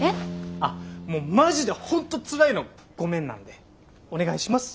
あっもうマジで本当つらいのごめんなんでお願いします。